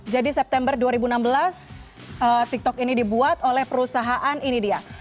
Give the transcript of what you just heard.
jadi september dua ribu enam belas tiktok ini dibuat oleh perusahaan ini dia